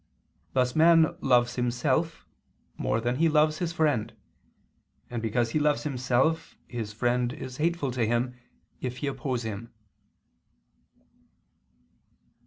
Thus man loves himself, more than he loves his friend: and because he loves himself, his friend is hateful to him, if he oppose him.